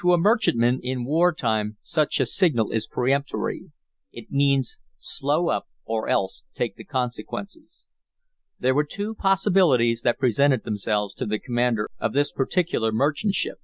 To a merchantship in war time such a signal is peremptory. It means slow up or else take the consequences. There were two possibilities that presented themselves to the commander of this particular merchantship.